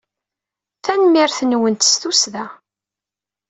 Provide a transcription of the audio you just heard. Tanemmirt-nwent s tussda!